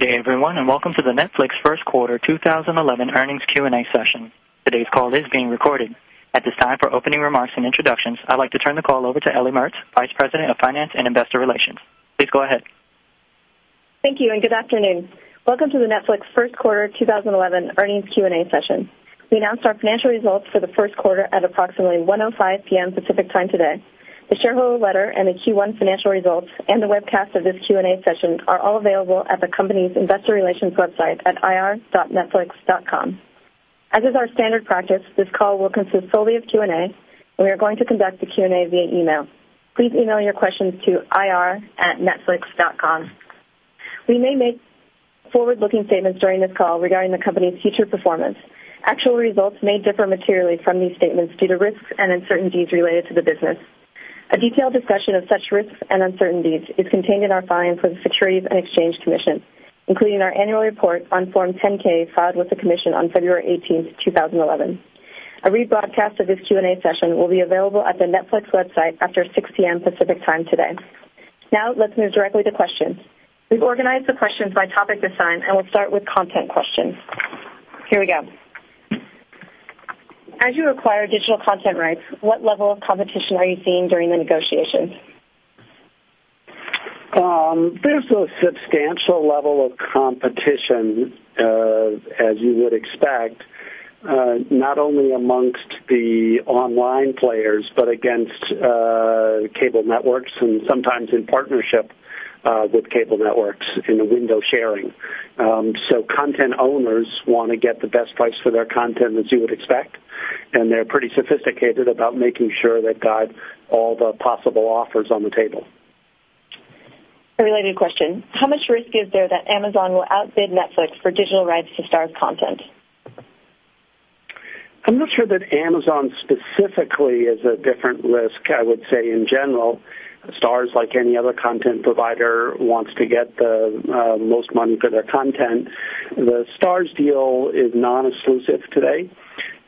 Good day, everyone, and welcome to the Netflix First Quarter 2011 Earnings Q&A session. Today's call is being recorded. At this time, for opening remarks and introductions, I'd like to turn the call over to Ellie Mertz, Vice President of Finance and Investor Relations. Please go ahead. Thank you, and good afternoon. Welcome to the Netflix First Quarter 2011 Earnings Q&A session. We announced our financial results for the first quarter at approximately 1:05 P.M. Pacific Time today. The shareholder letter and the Q1 financial results and the webcast of this Q&A session are all available at the company's Investor Relations website at ir.netflix.com. As is our standard practice, this call will consist solely of Q&A, and we are going to conduct the Q&A via email. Please email your questions to ir@netflix.com. We may make forward-looking statements during this call regarding the company's future performance. Actual results may differ materially from these statements due to risks and uncertainties related to the business. A detailed discussion of such risks and uncertainties is contained in our filing for the Securities and Exchange Commission, including our annual report on Form 10-K filed with the Commission on February 18, 2011. A rebroadcast of this Q&A session will be available at the Netflix website after 6:00 P.M. Pacific Time today. Now, let's move directly to questions. We've organized the questions by topic this time, and we'll start with content questions. Here we go. As you acquire digital content rights, what level of competition are you seeing during the negotiations? There's a substantial level of competition, as you would expect, not only amongst the online players but against cable networks and sometimes in partnership with cable networks in a window sharing. Content owners want to get the best price for their content, as you would expect, and they're pretty sophisticated about making sure they've got all the possible offers on the table. A related question: How much risk is there that Amazon will outbid Netflix for digital rights to STARZ content? I'm not sure that Amazon specifically is a different risk. I would say, in general, STARZ, like any other content provider, wants to get the most money for their content. The STARZ deal is non-exclusive today,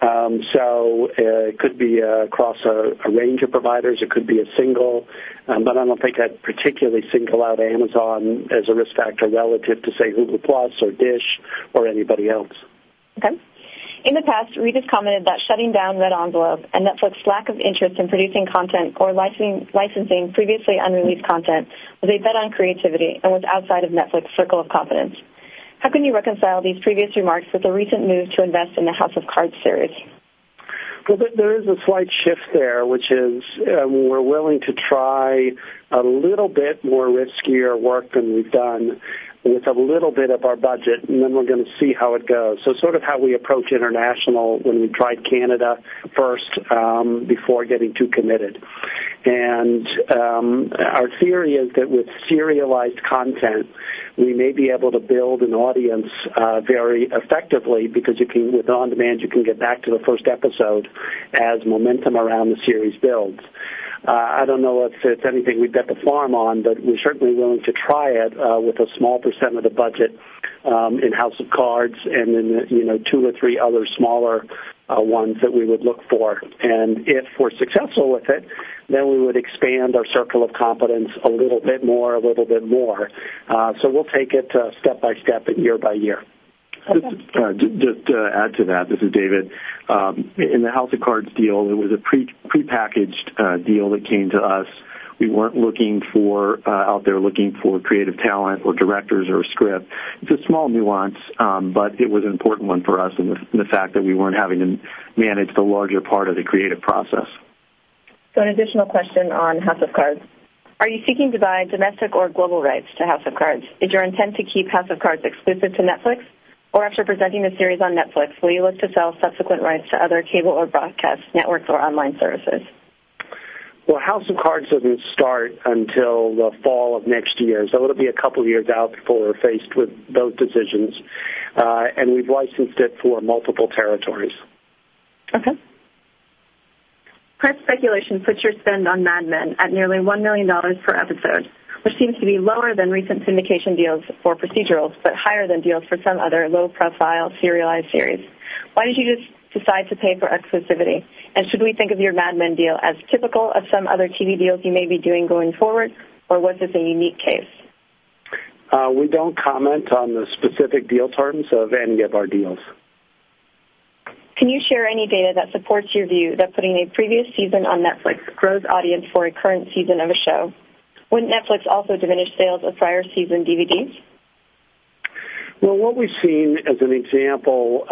so it could be across a range of providers. It could be a single, but I don't think I'd particularly single out Amazon as a risk factor relative to, say, Google+ or DISH or anybody else. Okay. In the past, Reed has commented that shutting down Red Envelope and Netflix's lack of interest in producing content or licensing previously unreleased content was a bet on creativity and was outside of Netflix's circle of competence. How can you reconcile these previous remarks with the recent move to invest in the House of Cards series? There is a slight shift there, which is we're willing to try a little bit more riskier work than we've done with a little bit of our budget, and then we're going to see how it goes. It's sort of how we approach international when we tried Canada first before getting too committed. Our theory is that with serialized content, we may be able to build an audience very effectively because with on demand, you can get back to the first episode as momentum around the series builds. I don't know if it's anything we'd bet the farm on, but we're certainly willing to try it with a small percent of the budget in House of Cards and in two or three other smaller ones that we would look for. If we're successful with it, then we would expand our circle of competence a little bit more, a little bit more. We'll take it step by step and year by year. Just to add to that, this is David. In the House of Cards deal, it was a pre-packaged deal that came to us. We weren't out there looking for creative talent or directors or a script. It's a small nuance, but it was an important one for us in the fact that we weren't having to manage the larger part of the creative process. An additional question on House of Cards. Are you seeking to buy domestic or global rights to House of Cards? Is your intent to keep House of Cards exclusive to Netflix? After presenting the series on Netflix, will you look to sell subsequent rights to other cable or broadcast networks or online services? House of Cards doesn't start until the fall of next year, so it'll be a couple of years out before we're faced with both decisions. We've licensed it for multiple territories. Okay. Prep speculation puts your spend on Mad Men at nearly $1 million per episode, which seems to be lower than recent syndication deals for procedurals but higher than deals for some other low-profile serialized series. Why did you decide to pay for exclusivity? Should we think of your Mad Men deal as typical of some other TV deals you may be doing going forward, or was this a unique case? We don't comment on the specific deal terms of any of our deals. Can you share any data that supports your view that putting a previous season on Netflix grows audience for a current season of a show? Wouldn't Netflix also diminish sales of prior-season DVDs? What we've seen as an example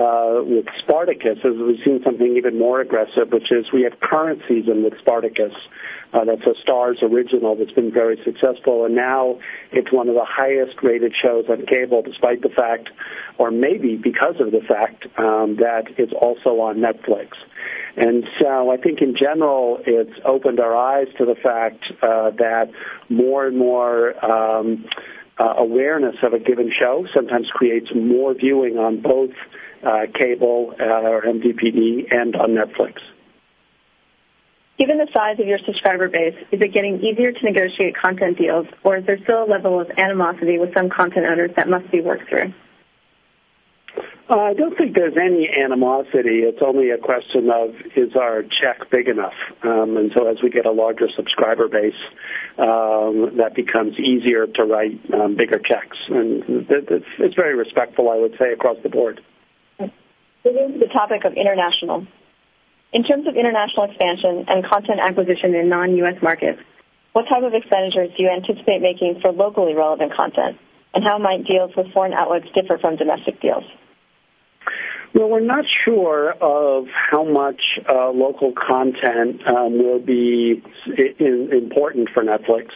with Spartacus is we've seen something even more aggressive, which is we have current season with Spartacus. That's a STARZ original that's been very successful, and now it's one of the highest-rated shows on cable despite the fact, or maybe because of the fact, that it's also on Netflix. I think in general, it's opened our eyes to the fact that more and more awareness of a given show sometimes creates more viewing on both cable or MVPD and on Netflix. Given the size of your subscriber base, is it getting easier to negotiate content deals, or is there still a level of animosity with some content owners that must be worked through? I don't think there's any animosity. It's only a question of is our check big enough? As we get a larger subscriber base, that becomes easier to write bigger checks. It's very respectful, I would say, across the board. Moving to the topic of international. In terms of international expansion and content acquisition in non-U.S. markets, what type of expenditures do you anticipate making for locally relevant content, and how might deals with foreign outlets differ from domestic deals? We're not sure of how much local content will be important for Netflix.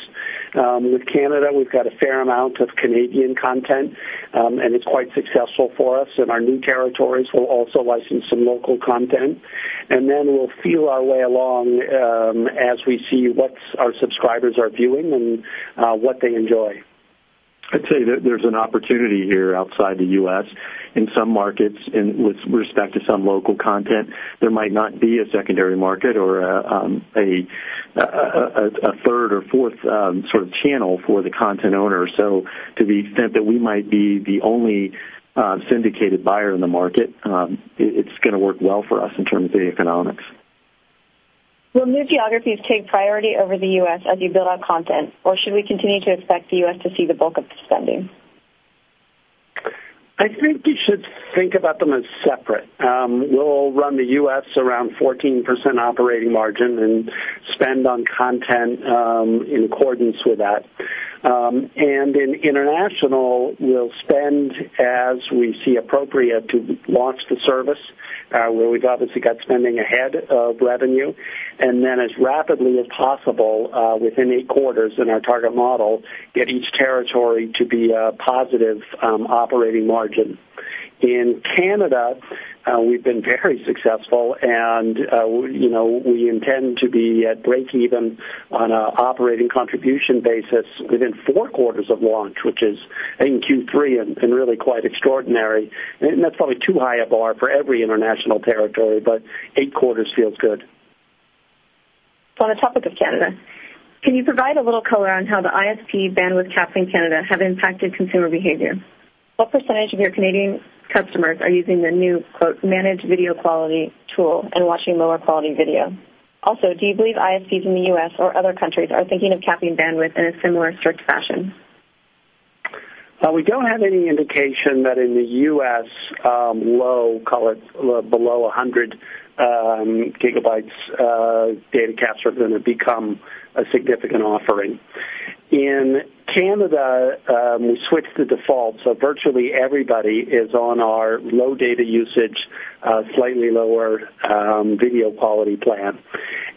With Canada, we've got a fair amount of Canadian content, and it's quite successful for us. In our new territories, we'll also license some local content, and then we'll feel our way along as we see what our subscribers are viewing and what they enjoy. I'd say that there's an opportunity here outside the U.S. in some markets with respect to some local content. There might not be a secondary market or a third or fourth sort of channel for the content owner. To the extent that we might be the only syndicated buyer in the market, it's going to work well for us in terms of the economics. Will new geographies take priority over the U.S. as you build out content, or should we continue to expect the U.S. to see the bulk of the spending? I think you should think about them as separate. We'll run the U.S. around 14% operating margin and spend on content in accordance with that. In international, we'll spend as we see appropriate to launch the service, where we've obviously got spending ahead of revenue, and then as rapidly as possible within eight quarters in our target model, get each territory to be a positive operating margin. In Canada, we've been very successful, and we intend to be at break-even on an operating contribution basis within four quarters of launch, which is, I think, Q3 and really quite extraordinary. That's probably too high a bar for every international territory, but eight quarters feels good. On the topic of Canada, can you provide a little color on how the ISP bandwidth caps in Canada have impacted consumer behavior? What percentage of your Canadian customers are using the new "managed video quality" tool and watching lower-quality video? Also, do you believe ISPs in the U.S. or other countries are thinking of capping bandwidth in a similar strict fashion? We don't have any indication that in the U.S., low, call it below 100 GB data caps are going to become a significant offering. In Canada, we switched to default, so virtually everybody is on our low data usage, slightly lower video quality plan.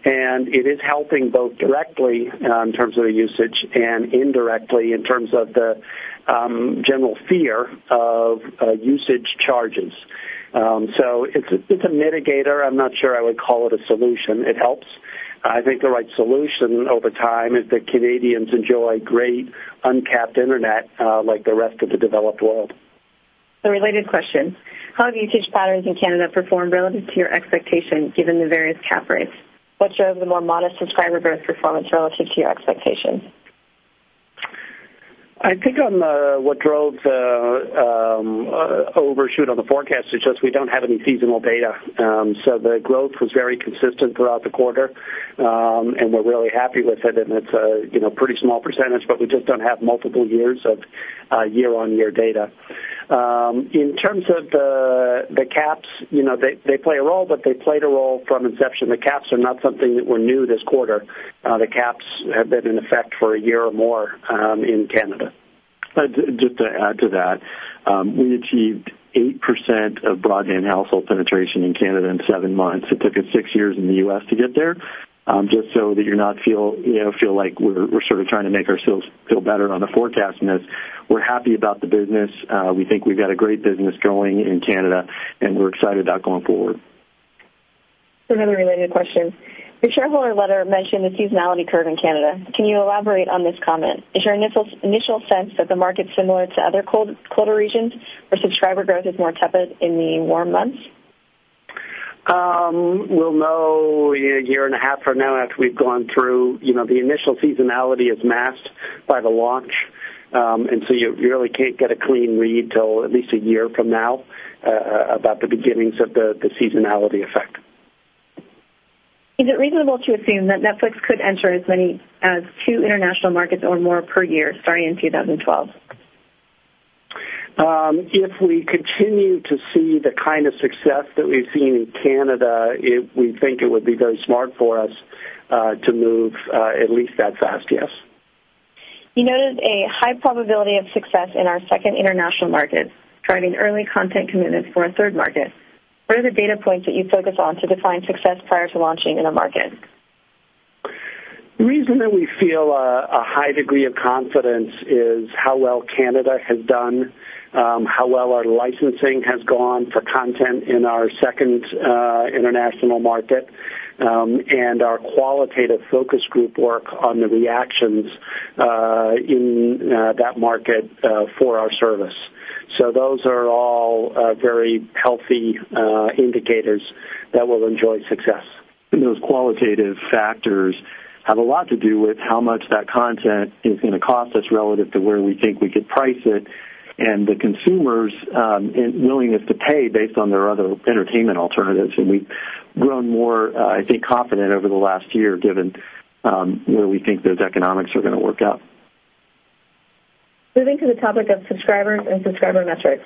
It is helping both directly in terms of the usage and indirectly in terms of the general fear of usage charges. It's a mitigator. I'm not sure I would call it a solution. It helps. I think the right solution over time is that Canadians enjoy great uncapped internet like the rest of the developed world. A related question: How have usage patterns in Canada performed relative to your expectation, given the various bandwidth caps? What drove the more modest subscriber growth performance relative to your expectation? I think what drove the overshoot on the forecast is just we don't have any seasonal data. The growth was very consistent throughout the quarter, and we're really happy with it, and it's a pretty small percentage, but we just don't have multiple years of year-on-year data. In terms of the caps, they play a role, but they played a role from inception. The caps are not something that were new this quarter. The caps have been in effect for a year or more in Canada. Just to add to that, we achieved 8% of broadband household penetration in Canada in seven months. It took us six years in the U.S. to get there. Just so that you're not feeling like we're sort of trying to make ourselves feel better on the forecast in this, we're happy about the business. We think we've got a great business going in Canada, and we're excited about going forward. Another related question: Your shareholder letter mentioned the seasonality curve in Canada. Can you elaborate on this comment? Is your initial sense that the market's similar to other colder regions where subscriber growth is more tepid in the warm months? A year and a half from now, after we've gone through, the initial seasonality is masked by the launch, and so you really can't get a clean read till at least a year from now about the beginnings of the seasonality effect. Is it reasonable to assume that Netflix could enter as many as two international markets or more per year, starting in 2012? If we continue to see the kind of success that we've seen in Canada, we think it would be very smart for us to move at least that fast, yes. You noted a high probability of success in our second international market, driving early content commitments for a third market. What are the data points that you focus on to define success prior to launching in a market? The reason that we feel a high degree of confidence is how well Canada has done, how well our licensing has gone for content in our second international market, and our qualitative focus group work on the reactions in that market for our service. Those are all very healthy indicators that we'll enjoy success. Those qualitative factors have a lot to do with how much that content is going to cost us relative to where we think we could price it and the consumers' willingness to pay based on their other entertainment alternatives. We've grown more, I think, confident over the last year given where we think those economics are going to work out. Moving to the topic of subscribers and subscriber metrics.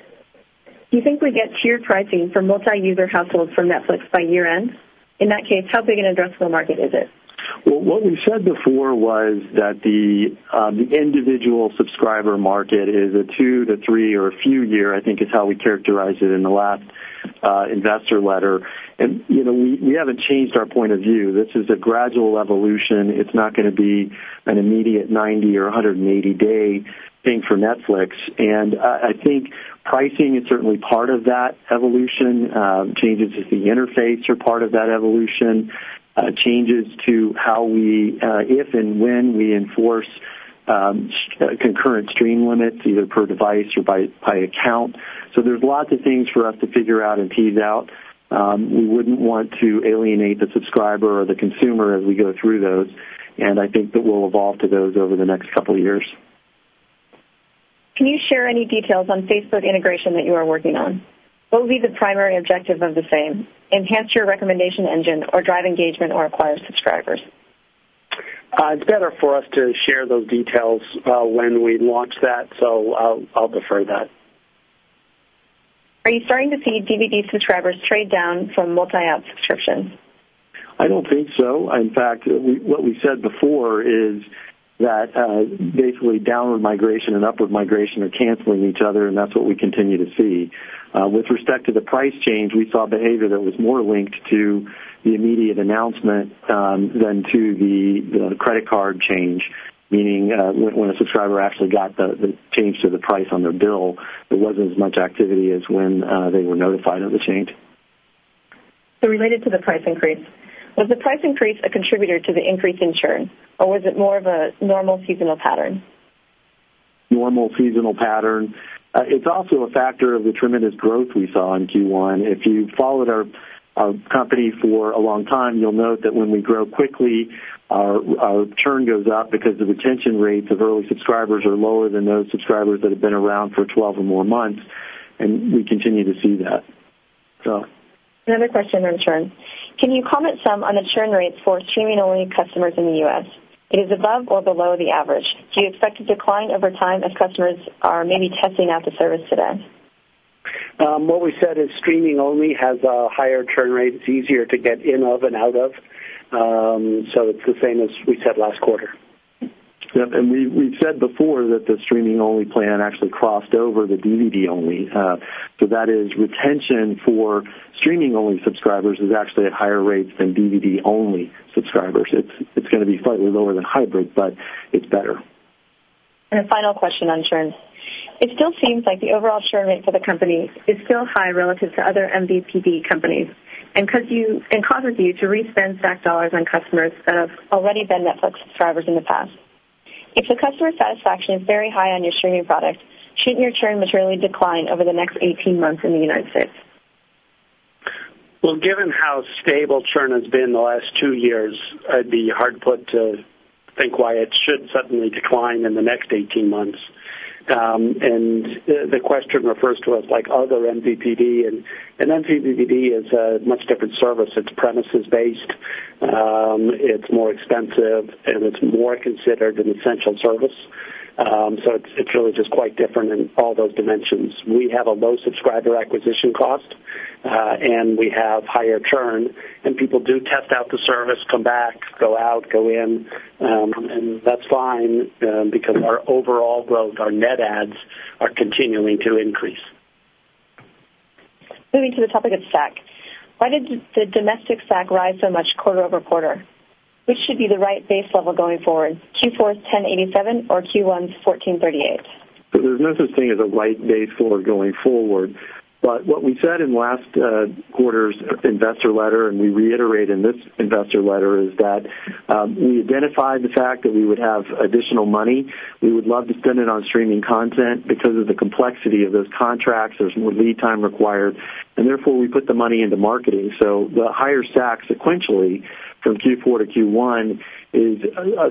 Do you think we get tiered pricing for multi-user households from Netflix by year-end? In that case, how big an addressable market is it? The individual subscriber market is a two to three or a few year, I think is how we characterized it in the last investor letter. We haven't changed our point of view. This is a gradual evolution. It's not going to be an immediate 90 or 180-day thing for Netflix. I think pricing is certainly part of that evolution, changes to the interface are part of that evolution, changes to how we, if and when we enforce concurrent stream limits, either per device or by account. There are lots of things for us to figure out and tease out. We wouldn't want to alienate the subscriber or the consumer as we go through those, and I think that we'll evolve to those over the next couple of years. Can you share any details on Facebook integration that you are working on? What would be the primary objective of the same? Enhance your recommendation engine, drive engagement, or acquire subscribers? It's better for us to share those details when we launch that, so I'll defer to that. Are you starting to see DVD subscribers trade down from multi-app subscriptions? I don't think so. In fact, what we said before is that basically downward migration and upward migration are canceling each other, and that's what we continue to see. With respect to the price change, we saw behavior that was more linked to the immediate announcement than to the credit card change, meaning when a subscriber actually got the change to the price on their bill, there wasn't as much activity as when they were notified of the change. Related to the price increase, was the price increase a contributor to the increase in churn, or was it more of a normal seasonal pattern? Normal seasonal pattern. It's also a factor of the tremendous growth we saw in Q1. If you followed our company for a long time, you'll note that when we grow quickly, our churn goes up because the retention rates of early subscribers are lower than those subscribers that have been around for 12 or more months, and we continue to see that. Another question on churn. Can you comment some on the churn rates for streaming-only customers in the U.S.? Is it above or below the average? Do you expect a decline over time as customers are maybe testing out the service today? What we said is streaming-only has a higher churn rate. It's easier to get in and out of, so it's the same as we said last quarter. Yes. We've said before that the streaming-only plan actually crossed over the DVD-only. Retention for streaming-only subscribers is actually at higher rates than DVD-only subscribers. It's going to be slightly lower than hybrid, but it's better. A final question on churn. It still seems like the overall churn rate for the company is still high relative to other MVPD companies and causes you to respend stacked dollars on customers who have already been Netflix subscribers in the past. If the customer satisfaction is very high on your streaming products, shouldn't your churn materially decline over the next 18 months in the U.S.? Given how stable churn has been the last two years, it'd be hard to think why it should suddenly decline in the next 18 months. The question refers to us like other MVPD, and MVPD is a much different service. It's premises-based, it's more expensive, and it's more considered an essential service. It's really just quite different in all those dimensions. We have a low subscriber acquisition cost, and we have higher churn, and people do test out the service, come back, go out, go in, and that's fine because our overall growth, our net ads, are continuing to increase. Moving to the topic of stack, why did the domestic stack rise so much quarter-over-quarter? Which should be the right base level going forward? Q4's $10.87 or Q1's $14.38? There's nothing to say as a right base level going forward, but what we said in last quarter's investor letter, and we reiterate in this investor letter, is that we identified the fact that we would have additional money. We would love to spend it on streaming content because of the complexity of those contracts. There's more lead time required, and therefore we put the money into marketing. The higher stack sequentially from Q4 to Q1 is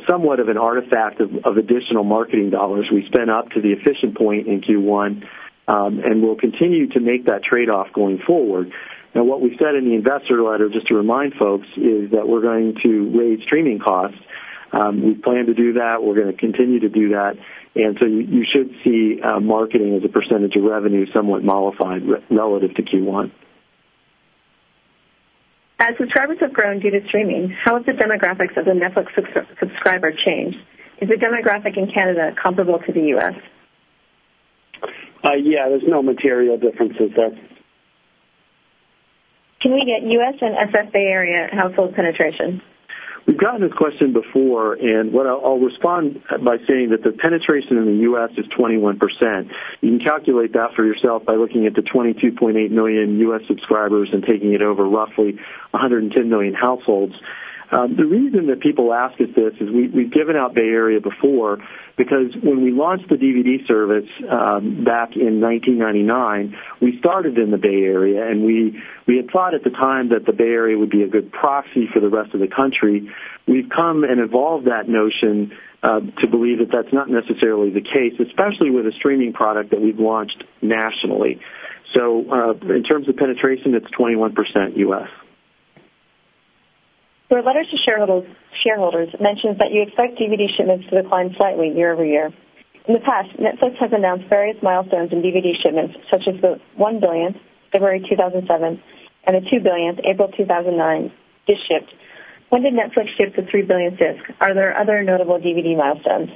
somewhat of an artifact of additional marketing dollars we spend up to the efficient point in Q1, and we'll continue to make that trade-off going forward. What we said in the investor letter, just to remind folks, is that we're going to raise streaming costs. We plan to do that. We're going to continue to do that. You should see marketing as a percentage of revenue somewhat modified relative to Q1. As subscribers have grown due to streaming, how have the demographics of the Netflix subscriber changed? Is the demographic in Canada comparable to the U.S.? Yeah, there's no material differences there. Can we get U.S. and S.F.A. area household penetration? We've gotten this question before, and I'll respond by saying that the penetration in the U.S. is 21%. You can calculate that for yourself by looking at the 22.8 million U.S. subscribers and taking it over roughly 110 million households. The reason that people ask us this is we've given out Bay Area before because when we launched the DVD service back in 1999, we started in the Bay Area, and we had thought at the time that the Bay Area would be a good proxy for the rest of the country. We've come and evolved that notion to believe that that's not necessarily the case, especially with a streaming product that we've launched nationally. In terms of penetration, it's 21% U.S. Your letter to shareholders mentions that you expect DVD shipments to decline slightly year-over-year. In the past, Netflix has announced various milestones in DVD shipments, such as the 1 billion February 2007 and the 2 billion April 2009 disk ships. When did Netflix ship the 3 billion disks? Are there other notable DVD milestones?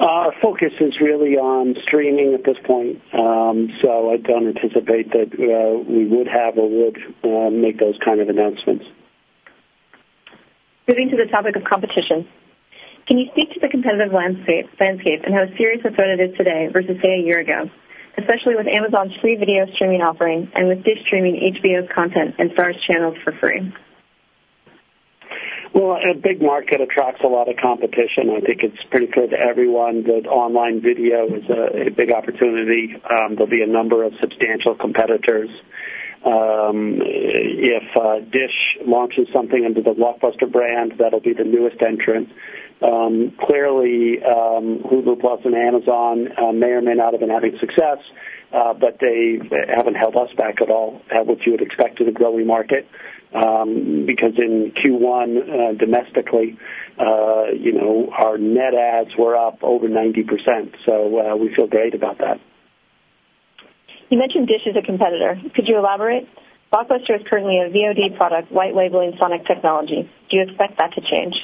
Our focus is really on streaming at this point, so I don't anticipate that we would have or would make those kinds of announcements. Moving to the topic of competition. Can you speak to the competitive landscape and how a series is competitive today versus, say, a year ago, especially with Amazon's free video streaming offering and with DISH streaming HBO's content and STARZ channels for free? A big market attracts a lot of competition. I think it's pretty clear to everyone that online video is a big opportunity. There'll be a number of substantial competitors. If DISH launches something under the Blockbuster brand, that'll be the newest entrant. Clearly, Google and Amazon may or may not have been having success, but they haven't held us back at all, which you would expect in a growing market, because in Q1 domestically, our net ads were up over 90%, so we feel great about that. You mentioned DISH is a competitor. Could you elaborate? Blockbuster is currently a VOD product, white labeling Sonic Technology. Do you expect that to change?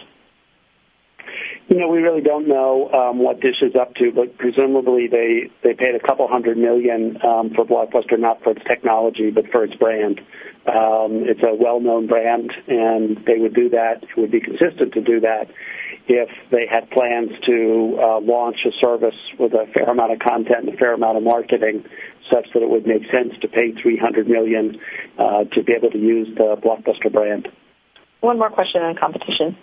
You know, we really don't know what DISH is up to, but presumably they paid a couple hundred million for Blockbuster, not for its technology but for its brand. It's a well-known brand, and they would do that. It would be consistent to do that if they had plans to launch a service with a fair amount of content and a fair amount of marketing such that it would make sense to pay $300 million to be able to use the Blockbuster brand. One more question on competition.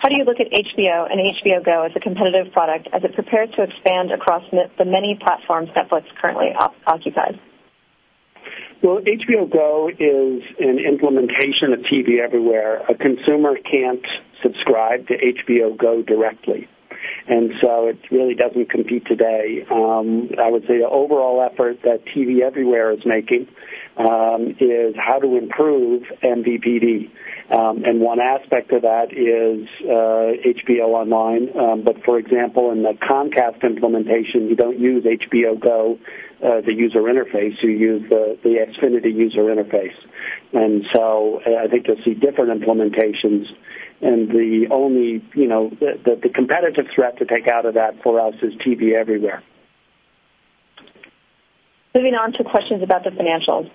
How do you look at HBO and HBO GO as a competitive product as it prepares to expand across the many platforms Netflix currently occupies? HBO GO is an implementation of TV Everywhere. A consumer can't subscribe to HBO GO directly, and so it really doesn't compete today. I would say the overall effort that TV Everywhere is making is how to improve MVPD, and one aspect of that is HBO Online. For example, in the Comcast implementation, you don't use HBO GO, the user interface. You use the Xfinity user interface. I think you'll see different implementations, and the only, you know, the competitive threat to take out of that for us is TV Everywhere. Moving on to questions about the financials.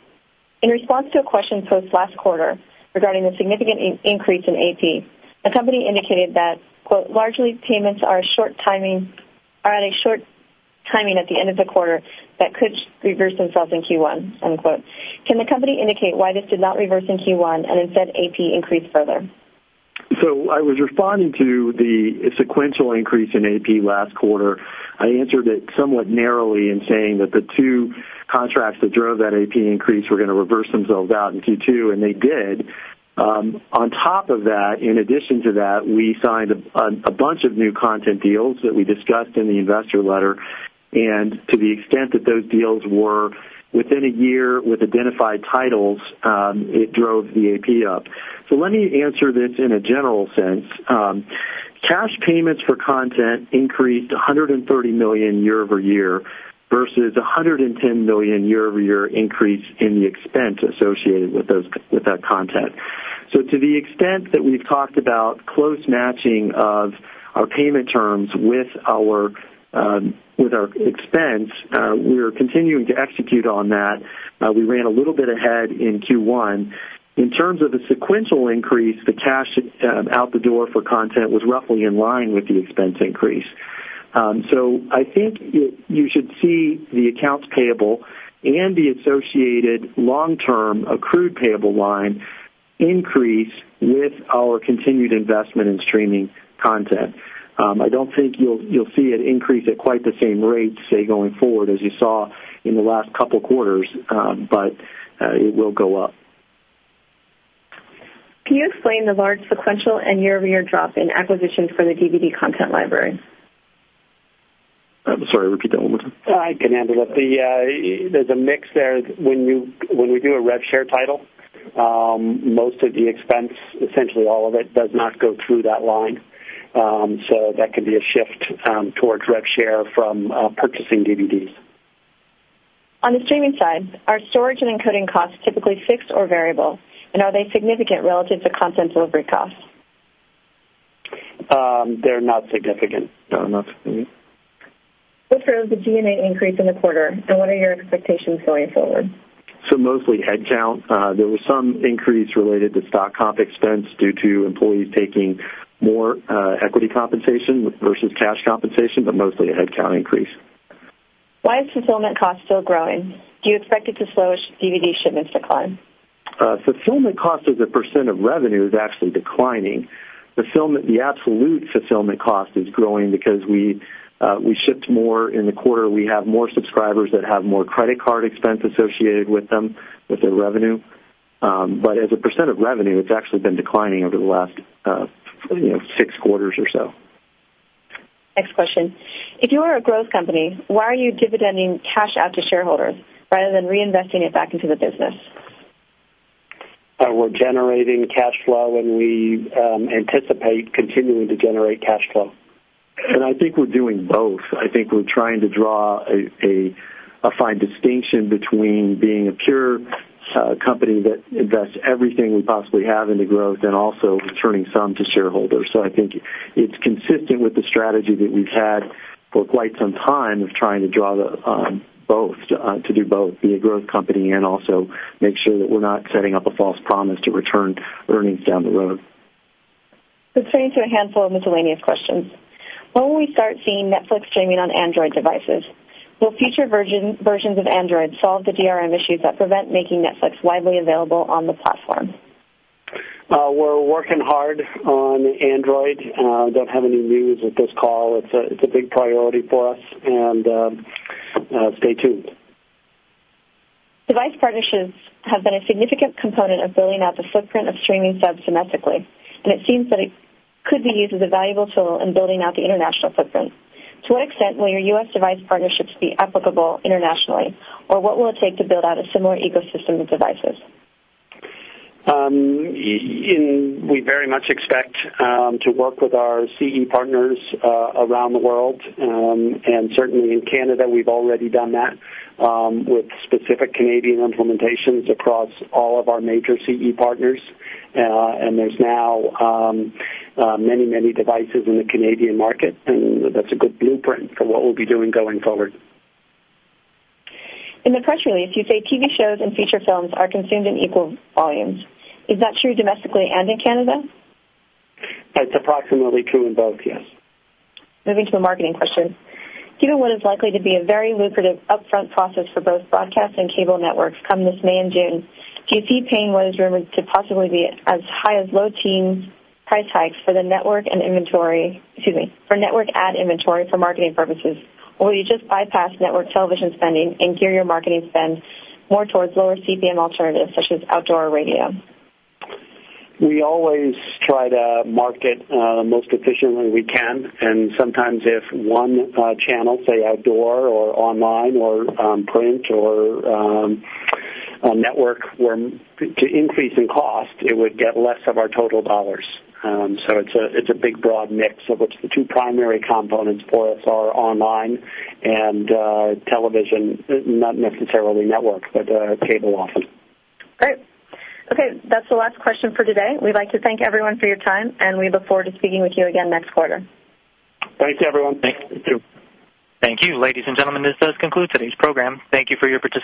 In response to a question post-last quarter regarding the significant increase in AP, the company indicated that "largely payments are short timing at the end of the quarter that could reverse themselves in Q1." Can the company indicate why this did not reverse in Q1 and instead AP increased further? I was responding to the sequential increase in AP last quarter. I answered it somewhat narrowly in saying that the two contracts that drove that AP increase were going to reverse themselves out in Q2, and they did. In addition to that, we signed a bunch of new content deals that we discussed in the investor letter, and to the extent that those deals were within a year with identified titles, it drove the AP up. Let me answer this in a general sense. Cash payments for content increased $130 million year-over-year versus a $110 million year-over-year increase in the expense associated with that content. To the extent that we've talked about close matching of our payment terms with our expense, we're continuing to execute on that. We ran a little bit ahead in Q1. In terms of the sequential increase, the cash out the door for content was roughly in line with the expense increase. I think you should see the accounts payable and the associated long-term accrued payable line increase with our continued investment in streaming content. I don't think you'll see it increase at quite the same rate, say, going forward as you saw in the last couple of quarters, but it will go up. Can you explain the large sequential and year-over-year drop in acquisitions for the DVD content library? I'm sorry, repeat that one more time. I can handle it. There's a mix there. When we do a rev share title, most of the expense, essentially all of it, does not go through that line. That can be a shift towards rev share from purchasing DVDs. On the streaming side, are storage and encoding costs typically fixed or variable, and are they significant relative to content delivery costs? They're not significant. They're not significant. What drove the G&A increase in the quarter, and what are your expectations going forward? Mostly headcount. There was some increase related to stock comp expense due to employees taking more equity compensation versus cash compensation, but mostly a headcount increase. Why is fulfillment cost still growing? Do you expect it to slow as DVD shipments decline? Fulfillment cost as a percent of revenue is actually declining. The absolute fulfillment cost is growing because we shipped more in the quarter. We have more subscribers that have more credit card expense associated with them, with their revenue. As a percent of revenue, it's actually been declining over the last six quarters or so. Next question. If you are a growth company, why are you dividending cash out to shareholders rather than reinvesting it back into the business? We're generating cash flow, and we anticipate continuing to generate cash flow. I think we're doing both. I think we're trying to draw a fine distinction between being a pure company that invests everything we possibly have into growth and also returning some to shareholders. I think it's consistent with the strategy that we've had for quite some time of trying to draw both, to do both, be a growth company and also make sure that we're not setting up a false promise to return earnings down the road. Let's turn to a handful of miscellaneous questions. When will we start seeing Netflix streaming on Android devices? Will future versions of Android solve the DRM issues that prevent making Netflix widely available on the platform? We're working hard on Android. I don't have any news at this call. It's a big priority for us, and stay tuned. Device partnerships have been a significant component of building out the footprint of streaming subs symmetrically, and it seems that it could be used as a valuable tool in building out the international footprint. To what extent will your U.S. device partnerships be applicable internationally, or what will it take to build out a similar ecosystem of devices? We very much expect to work with our CE partners around the world, and certainly in Canada, we've already done that with specific Canadian implementations across all of our major CE partners. There are now many, many devices in the Canadian market, and that's a good blueprint for what we'll be doing going forward. In the press release, you say TV shows and feature films are consumed in equal volumes. Is that true domestically and in Canada? It's approximately true in both, yes. Moving to a marketing question. Given what is likely to be a very lucrative upfront process for both broadcast and cable networks come this May and June, do you see paying what is rumored to possibly be as high as low-teen price hikes for the network ad inventory for marketing purposes, or will you just bypass network television spending and gear your marketing spend more towards lower CPM alternatives such as outdoor radio? We always try to market the most efficiently we can, and sometimes if one channel, say outdoor or online or print or a network, were to increase in cost, it would get less of our total dollars. It's a big, broad mix of which the two primary components for us are online and television, not necessarily network, but cable often. Great. Okay, that's the last question for today. We'd like to thank everyone for your time, and we look forward to speaking with you again next quarter. Thanks, everyone. Thanks. You too. Thank you, ladies and gentlemen. This does conclude today's program. Thank you for your participation.